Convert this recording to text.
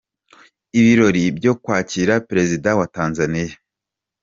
Ibirori byo kwakira Perezida wa Tanzania